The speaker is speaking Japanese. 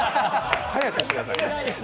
早くしてください。